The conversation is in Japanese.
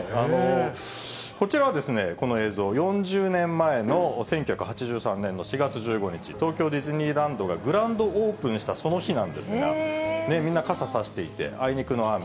こちらはこの映像、４０年前の１９８３年の４月１５日、東京ディズニーランドがグランドオープンしたその日なんですが、みんな傘差していて、あいにくの雨。